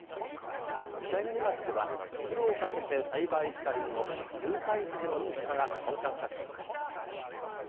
板柳町では袋をかけて栽培したりんご有袋ふじの出荷が本格化しています。